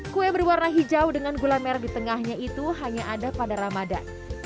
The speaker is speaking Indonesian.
kue berwarna hijau dengan gula merah di tengahnya itu hanya ada pada ramadan